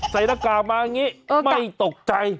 ใส่รักษามาอย่างนี้ไม่ตกใจ